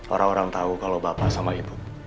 orang orang tahu kalau bapak sama ibu